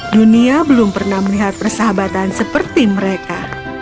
dunia belum pernah melihat persahabatan seperti mereka